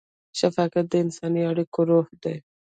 شفقت د انساني اړیکو روح دی.